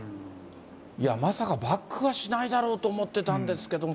いや、まさかバックはしないだろうと思ってたんですけれども。